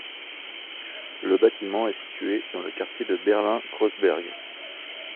Le bâtiment est situé dans le quartier de Berlin-Kreuzberg.